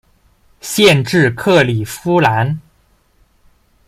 县治克里夫兰。